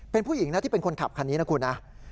เป็นผู้หญิงนะที่เป็นคนขับคันนี้นะคุณนะ